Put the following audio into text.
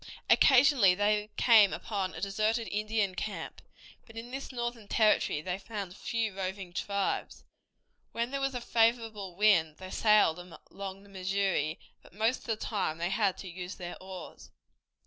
Occasionally they came upon a deserted Indian camp, but in this northern territory they found few roving tribes. When there was a favorable wind they sailed along the Missouri, but most of the time they had to use their oars.